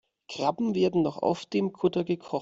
Krabben werden noch auf dem Kutter gekocht.